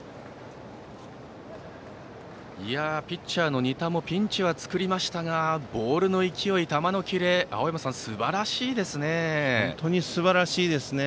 ピッチャーの仁田もピンチは作りましたがボールの勢い、球のキレ青山さん、すばらしいですね。